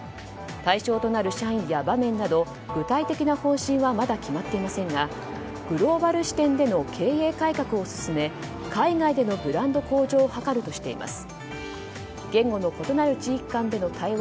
対象となる社員や場面など具体的な方針はまだ決まっていませんがグローバル視点での経営改革を進め海外でのブランド向上を図るとしています。